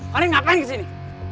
kalian ngapain kesini